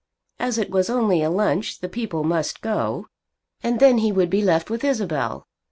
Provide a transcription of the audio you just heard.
As it was only a lunch the people must go, and then he would be left with Isabel.